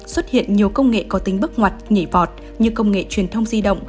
xuất hiện nhiều công nghệ có tính bước ngoặt nhảy vọt như công nghệ truyền thông di động